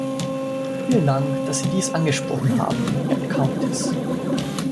Vielen Dank, dass Sie dies angesprochen haben, Herr Chountis.